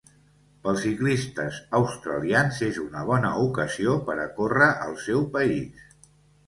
Pels ciclistes australians és una bona ocasió per a córrer al seu país.